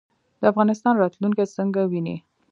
د افغانستان راتلونکی څنګه وینئ؟